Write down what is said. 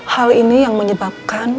hal ini yang menyebabkan